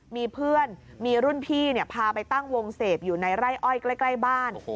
มีเพื่อนมีรุ่นพี่พาไปตั้งวงเสพอยู่ในไร่อ้อยใกล้บ้าน